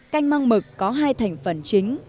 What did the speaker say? canh măng mực có hai thành phần chính